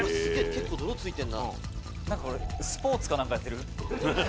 結構泥ついてるな」なんかこれスポーツかなんかやってる？